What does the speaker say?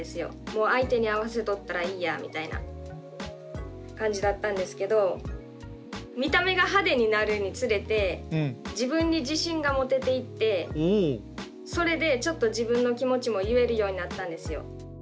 もう相手に合わせとったらいいやみたいな感じだったんですけど見た目が派手になるにつれて自分に自信が持てていってそれでちょっと自分の気持ちも言えるようになったんですよ。